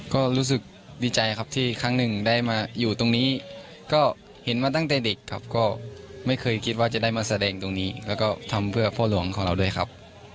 ก็รู้สึกดีใจครับที่ครั้งหนึ่งได้มาอยู่ตรงนี้ก็เห็นมาตั้งแต่เด็กครับก็ไม่เคยคิดว่าจะได้มาแสดงตรงนี้แล้วก็ทำเพื่อพ่อหลวงของเราด้วยครับ